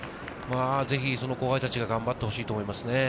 ぜひ後輩たちに頑張ってほしいと思いますね。